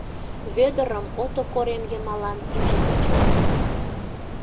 Вӧдырым ото корем йымалан иже кученыт.